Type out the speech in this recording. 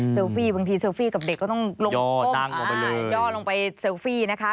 เซลฟี่บางทีเซลฟี่กับเด็กก็ต้องย่อลงไปเซลฟี่